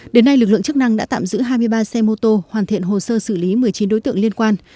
đến nay lực lượng chức năng đã tạm giữ hai mươi ba xe mô tô hoàn thiện hồ sơ xử lý một mươi chín đối tượng liên quan